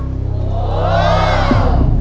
โห